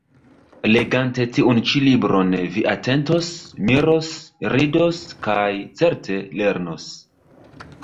Legante tiun ĉi libron, vi atentos, miros, ridos kaj, certe, lernos.